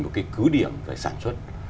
một cái cứ điểm về sản xuất